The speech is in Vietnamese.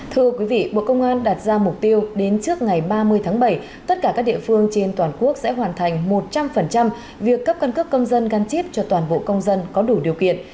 thưa quý vị bộ công an đặt ra mục tiêu đến trước ngày ba mươi tháng bảy tất cả các địa phương trên toàn quốc sẽ hoàn thành một trăm linh việc cấp căn cước công dân gắn chip cho toàn bộ công dân có đủ điều kiện